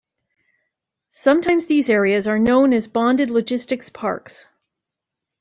Sometimes these areas are known as bonded logistics parks.